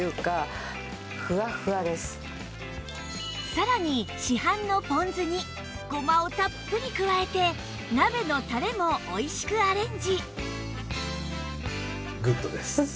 さらに市販のポン酢にごまをたっぷり加えて鍋のたれもおいしくアレンジ